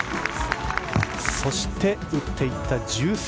そして、打っていった１３ｍ。